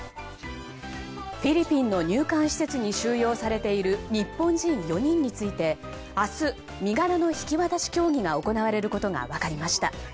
フィリピンの入管施設に収容されている日本人４人について明日、身柄の引き渡し協議が行われることが分かりました。